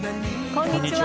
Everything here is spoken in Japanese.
こんにちは。